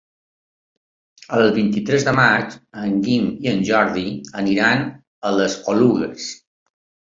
El vint-i-tres de maig en Guim i en Jordi iran a les Oluges.